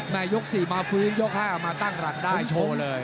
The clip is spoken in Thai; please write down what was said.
ยก๔มาฟื้นยก๕มาตั้งหลักได้โชว์เลย